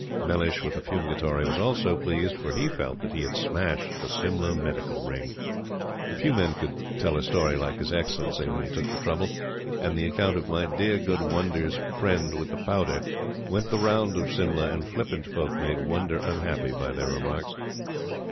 Mellish with the Fumigatory was also pleased, for he felt that he had smashed the Simla Medical "Ring." ......... Few men could tell a story like His Excellency when he took the trouble, and the account of "my dear, good Wonder's friend with the powder" went the round of Simla, and flippant folk made Wonder unhappy by their remarks.